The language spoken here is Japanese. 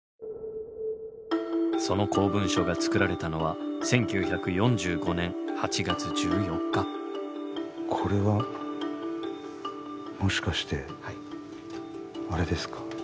その公文書が作られたのはこれはもしかしてあれですか？